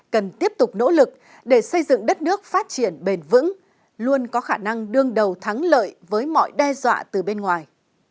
cần tiếp tục nỗ lực để xây dựng đất nước phát triển bền vững luôn có khả năng đương đầu thắng lợi với mọi đe dọa từ bên ngoài